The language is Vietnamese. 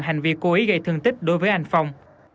hành vi cố ý gây thương tích đối với anh phong